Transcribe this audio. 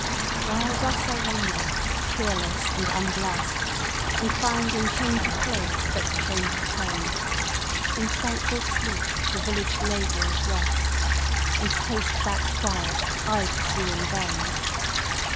WHILE thus I wander, cheerless and unblest, And find in change of place but change of pain; In tranquil sleep the village labourers rest, And taste that quiet I pursue in vain!